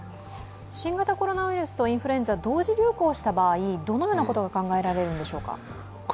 新型コロナウイルスとインフルエンザ、同時流行した場合どのようなことが考えられますか？